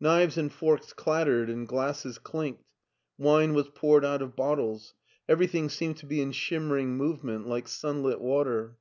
Knives and forks clattered and glasses clinked. Wine was poured out of bottles ; everything seemed to be in shimmering movement like sunlit water.